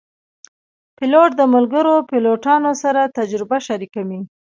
پیلوټ د ملګرو پیلوټانو سره تجربه شریکوي.